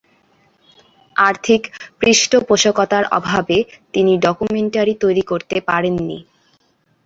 আর্থিক পৃষ্ঠপোষকতার অভাবে তিনি ডকুমেন্টারি তৈরি করতে পারেননি।